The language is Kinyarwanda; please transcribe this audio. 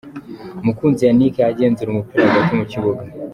Mukunzi Yannick agenzura umupira hagati mu kibuga.